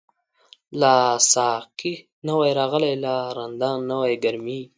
لا ساقی نوی راغلی، لا رندان نوی گرمیږی